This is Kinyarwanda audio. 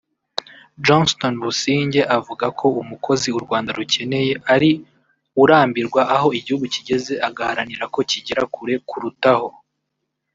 Johnston Busingye avuga ko umukozi u Rwanda rukeneye ari urambirwa aho igihugu kigeze agaharanira ko kigera kure kurutaho